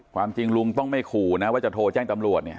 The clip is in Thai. ความจริงลุงต้องไม่ขู่นะว่าจะโทรแจ้งตำรวจเนี่ย